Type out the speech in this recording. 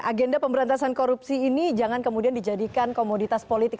agenda pemberantasan korupsi ini jangan kemudian dijadikan komoditas politik